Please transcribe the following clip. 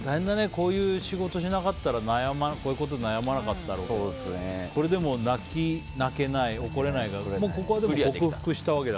こういう仕事しなかったらこういうことに悩まなかっただろうけどこれでも、泣けない、怒れないは克服したわけだ。